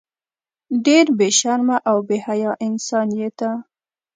ډیر بی شرمه او بی حیا انسان یی ته